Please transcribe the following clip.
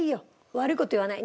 悪い事は言わない。